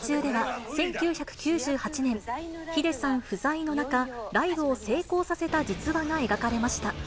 劇中では１９９８年、ｈｉｄｅさん不在の中、ライブを成功させた実話が描かれました。